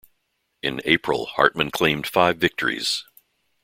In April Hartmann claimed five victories.